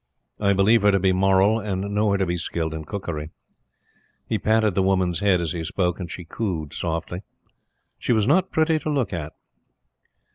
I believe her to be moral, and know her to be skilled in cookery." He patted the woman's head as he spoke, and she cooed softly. She was not pretty to look at.